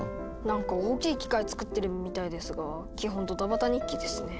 なんか大きい機械つくってるみたいですが基本ドタバタ日記ですね。